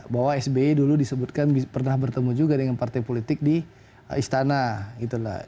bahwa sbi dulu disebutkan pernah bertemu juga dengan partai politik di istana